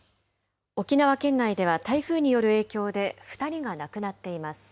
沖縄県内では台風による影響で２人が亡くなっています。